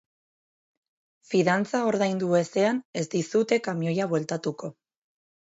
Fidantza ordaindu ezean ez dizute kamioia bueltatuko.